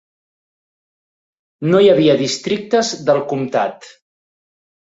No hi havia districtes del comtat.